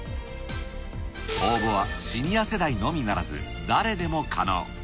応募はシニア世代のみならず、誰でも可能。